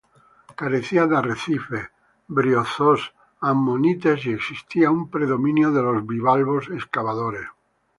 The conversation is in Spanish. Carecía de arrecifes, briozoos, ammonites y existía un predominio de los bivalvos excavadores.